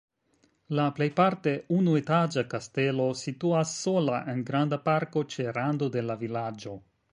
La plejparte unuetaĝa kastelo situas sola en granda parko ĉe rando de la vilaĝo.